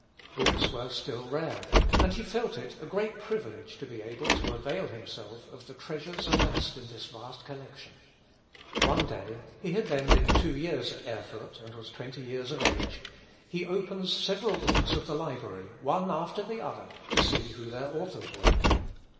Books were still rare, and he felt it a great privilege to be able to avail himself of the treasures amassed in this vast collection. One day (he had then been two years at Erfurt, and was twenty years of age) he opens several books of the library, one after the other, to see who their authors were.